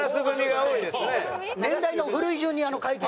年代の古い順に会見。